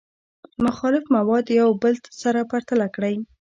مختلف مواد یو بل سره پرتله کړئ.